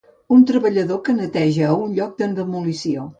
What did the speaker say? Un treballador que neteja a un lloc de demolició.